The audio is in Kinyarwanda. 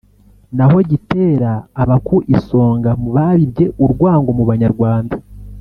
naho Gitera aba ku isonga mu babibye urwango mu Banyarwanda